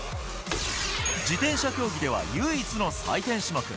自転車競技では唯一の採点種目。